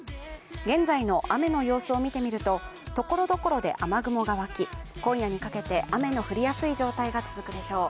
現在の雨の様子を見てみると、ところどころで雨雲が湧き、今夜にかけて雨の降りやすい状態が続くでしょう。